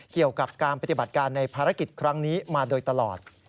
เกี่ยวกับการปฏิบัติการในภารกิจครั้งนี้มาโดยตลอด